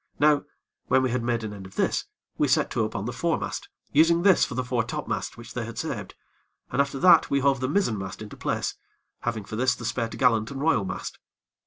Now, when we had made an end of this, we set to upon the foremast, using for this the foretopmast which they had saved, and after that we hove the mizzenmast into place, having for this the spare t'gallant and royal mast.